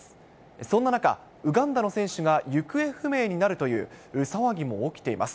そんな中、ウガンダの選手が行方不明になるという、騒ぎも起きています。